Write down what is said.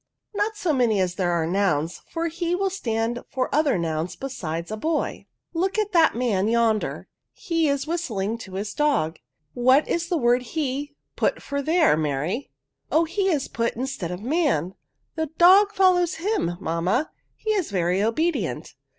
" Not so many as there are nouns, for he will stand for other nouns besides a boy. c 2 1 6' PRONOUNS. Look at that man, yonder^ he is whistling to his dog: what is the word he put for there, Mary?" " Oh, he is put instead of man. The dog foDows him, mamma ; he is very obedient.